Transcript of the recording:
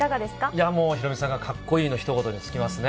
いやもう、ヒロミさんがかっこいいのひと言に尽きますね。